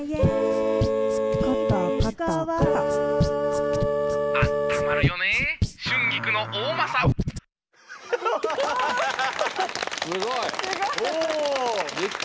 すごい！